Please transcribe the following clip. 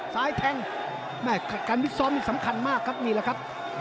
สายแทงการวิทย์ซ้อนมันสำคัญมากครับมีแหละครับ